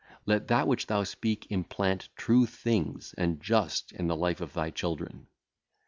Let that which thou speakest implant true things and just in the life of thy children.